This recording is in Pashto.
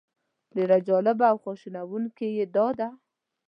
ډېره جالبه او خواشینونکې یې دا ده.